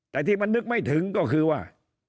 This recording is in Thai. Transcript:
แต่ที่มันนึกไม่ถึงก็คือว่า